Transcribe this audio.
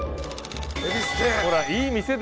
恵比寿亭。